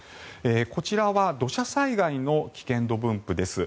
こちらは土砂災害の危険度分布です。